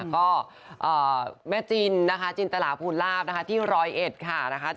ก็แม่จินนะคะจินตราภูลาภนะคะที่ร้อยเอ็ดค่ะนะคะ